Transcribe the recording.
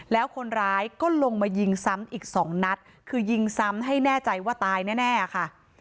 แล้วคนร้ายก็ลงมายิงซ้ำอีกสองนัดคือยิงซ้ำให้แน่ใจว่าตายแน่ค่ะ